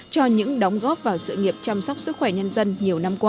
cho những đóng góp vào sự nghiệp chăm sóc sức khỏe nhân dân nhiều năm qua